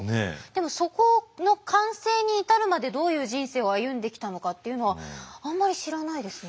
でもそこの完成に至るまでどういう人生を歩んできたのかっていうのはあんまり知らないですね。